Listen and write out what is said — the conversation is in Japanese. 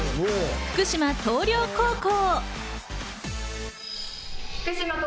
福島東稜高校。